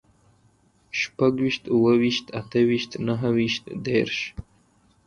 شپږويشت، اووه ويشت، اته ويشت، نهه ويشت، دېرش